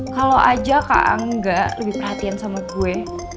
kalo aja kangga lebih perhatian sama gue